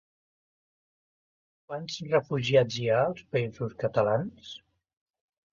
Quants refugiats hi ha als Països Catalans?